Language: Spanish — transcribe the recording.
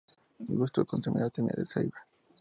Gusta consumir las semillas de ceiba.